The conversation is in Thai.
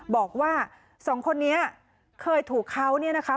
บอกว่าสองคนนี้เคยถูกเขาเนี่ยนะคะ